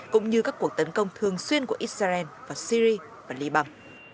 cũng như các cuộc tấn công thường xuyên của israel vào syri và liban